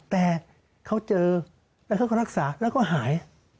แต่เขาเจอแล้วเขาก็รักษาแล้วก็หาย